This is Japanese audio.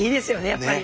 やっぱり。